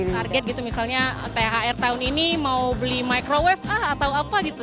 target gitu misalnya thr tahun ini mau beli microwave ah atau apa gitu